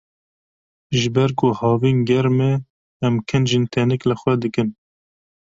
Ji ber ku havîn germ e, em kincên tenik li xwe dikin.